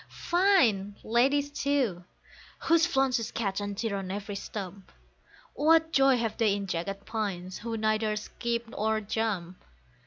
Fine ladies, too, whose flounces catch and tear on every stump, What joy have they in jagged pines, who neither skip nor jump?